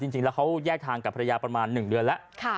จริงแล้วเขาแยกทางกับภรรยาประมาณ๑เดือนแล้ว